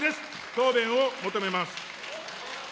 答弁を求めます。